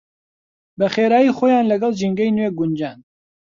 بەخێرایی خۆیان لەگەڵ ژینگەی نوێ گونجاند.